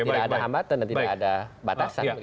tidak ada hambatan dan tidak ada batasan